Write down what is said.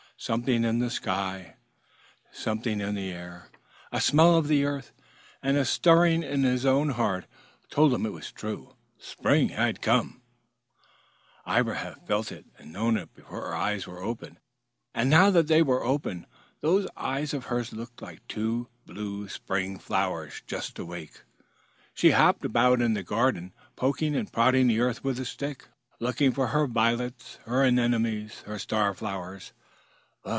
Something in the sky, something in the air, a smell of earth, and a stirring in his own heart told him it was true. Spring had come! Ivra had felt and known it before her eyes were open, and now that they were open, those eyes of hers looked like two blue spring flowers just awake. She hopped about in the garden poking and prodding the earth with a stick, looking for her violets, her anemones, her star flowers.